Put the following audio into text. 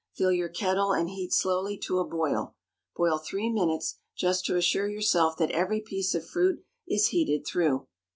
Fill your kettle and heat slowly to a boil. Boil three minutes, just to assure yourself that every piece of fruit is heated through.